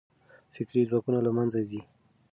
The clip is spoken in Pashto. فکري ځواکونه له منځه ځي.